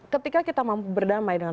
ketika kita berdamai dengan